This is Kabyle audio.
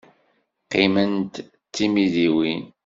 Qqiment d timidiwin.